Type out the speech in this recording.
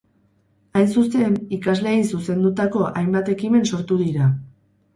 Hain zuzen, ikasleei zuzendutako hainbat ekimen sortu dira.